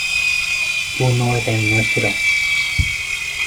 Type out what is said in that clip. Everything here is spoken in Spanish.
uno era el nuestro.